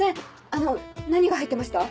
あの何が入ってました？